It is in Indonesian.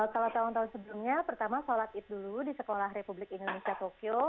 kalau tahun tahun sebelumnya pertama sholat id dulu di sekolah republik indonesia tokyo